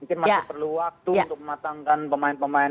mungkin masih perlu waktu untuk mematangkan pemain pemain muda kita ya